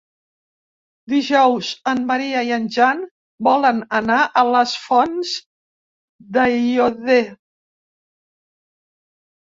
Dijous en Maria i en Jan volen anar a les Fonts d'Aiòder.